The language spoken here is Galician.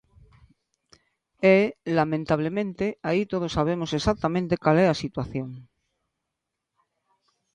E, lamentablemente, aí todos sabemos exactamente cal é a situación.